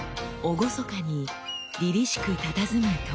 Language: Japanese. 厳かにりりしくたたずむ刀剣。